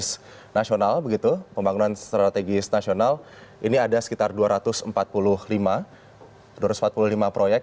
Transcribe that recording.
strategis nasional pembangunan strategis nasional ini ada sekitar dua ratus empat puluh lima proyek